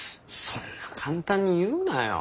そんな簡単に言うなよ。